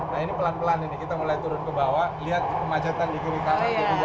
nah ini pelan pelan ini kita mulai turun ke bawah lihat kemacetan di kiri kanan